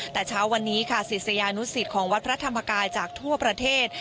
แต่เช้าวันนี้ค่ะศิษยานุสิตของวัดพระธรรมกายจากทั่วประเทศ